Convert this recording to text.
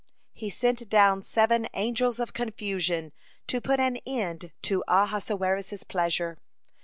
(32) He sent down seven Angels of Confusion to put an end to Ahasuerus's pleasure.